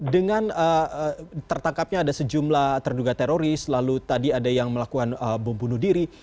dengan tertangkapnya ada sejumlah terduga teroris lalu tadi ada yang melakukan bom bunuh diri